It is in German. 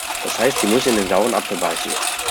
Das heißt, sie muss in den sauren Apfel beißen.